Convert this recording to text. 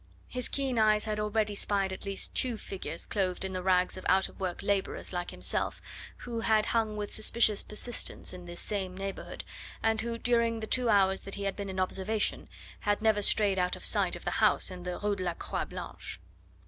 His keen eyes had already spied at least two figures clothed in the rags of out of work labourers like himself, who had hung with suspicious persistence in this same neighbourhood, and who during the two hours that he had been in observation had never strayed out of sight of the house in the Rue de la Croix Blanche.